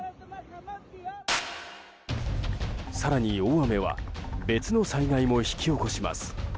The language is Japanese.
更に大雨は別の災害も引き起こします。